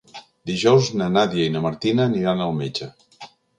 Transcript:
Dijous na Nàdia i na Martina aniran al metge.